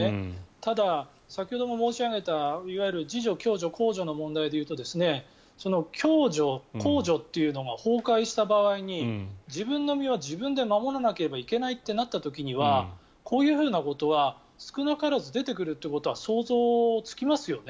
ただ、先ほども申し上げた自助・共助・公助の問題でいうと共助、公助というのが崩壊した場合に自分の身は自分で守らなければいけないとなった時にはこういうことは少なからず出てくることは想像つきますよね。